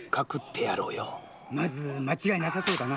まず間違いなさそうだ。